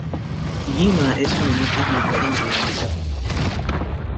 Yuma is the home of the Yuma Indians.